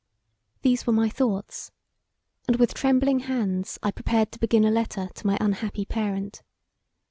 These were my thoughts; and with trembling hands I prepared to begin a letter to my unhappy parent.